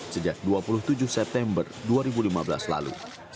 sejak dua puluh tujuh september dua ribu lima belas lalu